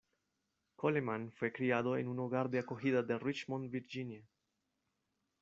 Coleman fue criado en un hogar de acogida en Richmond, Virginia.